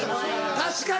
確かに！